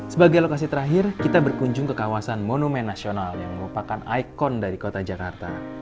sebagai lokasi terakhir kita berkunjung ke kawasan monumen nasional yang merupakan ikon dari kota jakarta